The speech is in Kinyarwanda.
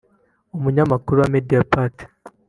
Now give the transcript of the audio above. umunyamakuru wa Mediapart